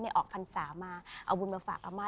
ออกพรรษามาเอาบุญมาฝากอาม่า